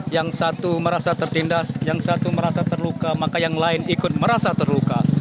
yang satu merasa tertindas yang satu merasa terluka maka yang lain ikut merasa terluka